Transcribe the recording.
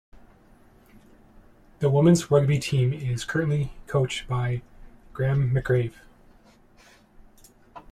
The women's rugby team is currently coached by Graeme McGravie.